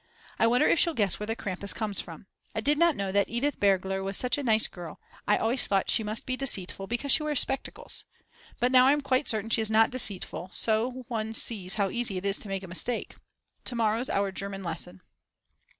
I wonder if she'll guess where the Krampus comes from. I did not know that Edith Bergler was such a nice girl, I always thought she must be deceitful because she wears spectacles. But now I'm quite certain she is not deceitful, so one sees how easy it is to make a mistake. To morrow's our German lesson.